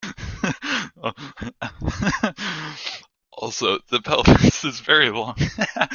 Also the pelvis is very long.